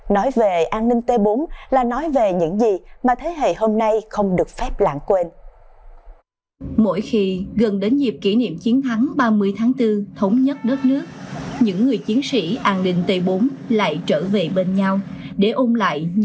nói về an ninh t bốn là nói về những gì mà thế hệ hôm nay không được phép lãng quên